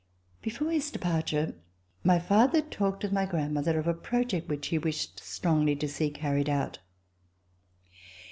Before his departure, my father talked with my grandmother of a project which he wished strongly to see carried out.